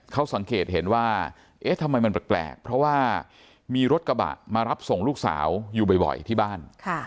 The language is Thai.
เขาสังเกตเห็นว่าเอ๊ะทำไมมันแปลกเพราะว่ามีรถกระบะมารับส่งลูกสาวอยู่บ่อยที่บ้าน